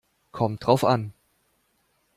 Kommt drauf an.